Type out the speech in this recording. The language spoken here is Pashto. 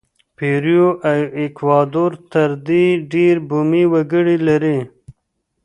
پیرو او ایکوادور تر دې ډېر بومي وګړي لري.